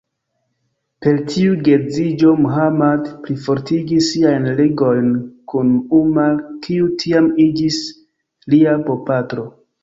Per tiu geedziĝo, Muhammad plifortigis siajn ligojn kun Umar, kiu tiam iĝis lia bopatro.